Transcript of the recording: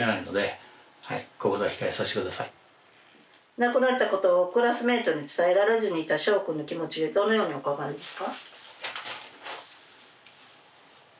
亡くなったことをクラスメイトに伝えられずにいた翔君の気持ちをどのようにお考えですか？